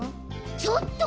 ちょっと！